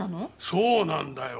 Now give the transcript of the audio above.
そうなんだよ。